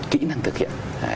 kỹ năng thực hiện